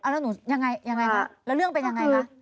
แล้วหนูยังไงคะแล้วเรื่องเป็นยังไงคะ